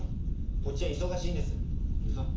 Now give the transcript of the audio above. こっちは忙しいんです。